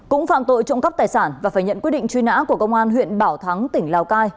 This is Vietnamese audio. cũng phạm tội trộm cắp tài sản và phải nhận quyết định truy nã của công an huyện bảo thắng tỉnh lào cai